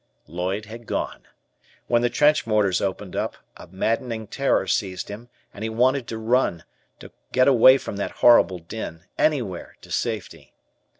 Lloyd had gone. When the trench mortars opened up, a maddening terror seized him and he wanted to run, to get away from that horrible din, anywhere to safety.